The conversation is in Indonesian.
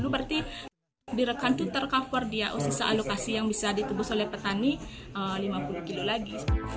berarti di rekan itu tercover dia sisa alokasi yang bisa ditebus oleh petani lima puluh kilo lagi